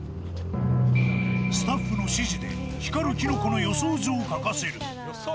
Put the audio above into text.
スタッフの指示で光るキノコの予想図を描かせる。